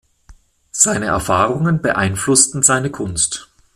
Seine Erfahrungen beeinflussten seine Kunst.